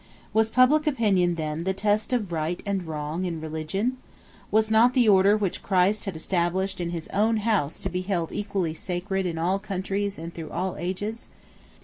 Was public opinion, then, the test of right and wrong in religion? Was not the order which Christ had established in his own house to be held equally sacred in all countries and through all ages?